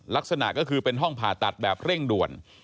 ลักษณะก็คือเป็นห้องผ่าตัดแบบเร่งด่วน